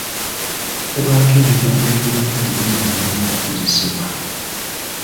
Bubaako ebigambo ebiraga Olulimi olulina okukozesebwa.